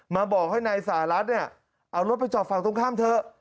มาบอกให้นายสหรัฐเนี่ยเอารถไปจอดฝั่งตรงข้ามเถอะ